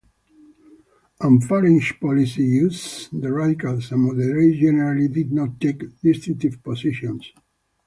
On foreign policy issues, the Radicals and moderates generally did not take distinctive positions.